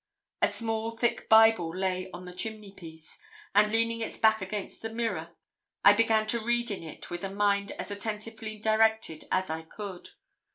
A small thick Bible lay on the chimneypiece, and leaning its back against the mirror, I began to read in it with a mind as attentively directed as I could.